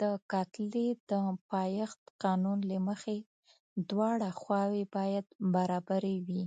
د کتلې د پایښت قانون له مخې دواړه خواوې باید برابرې وي.